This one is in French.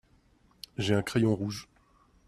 J'ai un crayon rouge.